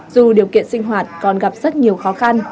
dù điều kiện sinh hoạt còn gặp rất nhiều khó khăn